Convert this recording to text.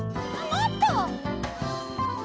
もっと！